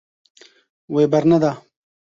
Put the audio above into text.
Wê berneda.